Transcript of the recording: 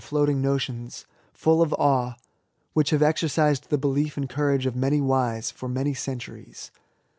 floating notions^ fuU of awe^ which have exercised the belief and courage of many wise, for many centuries.